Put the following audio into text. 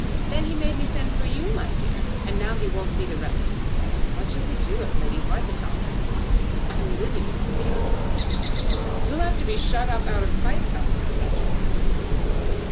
Then he made me send for you, my dear; and now he won't see the relatives. What shall we do if Lady Hartletop turns up? I'm living in fear of it. You'll have to be shut up out of sight somewhere if that should happen."